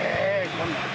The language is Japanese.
こんなん。